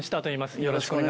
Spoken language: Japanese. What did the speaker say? よろしくお願いします。